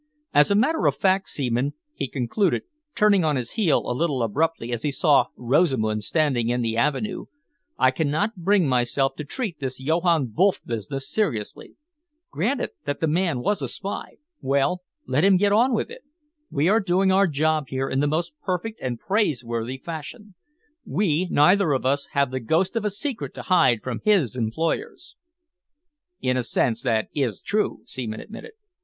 As a matter of fact, Seaman," he concluded, turning on his heel a little abruptly as he saw Rosamund standing in the avenue, "I cannot bring myself to treat this Johann Wolff business seriously. Granted that the man was a spy, well, let him get on with it. We are doing our job here in the most perfect and praiseworthy fashion. We neither of us have the ghost of a secret to hide from his employers." "In a sense that is true," Seaman admitted.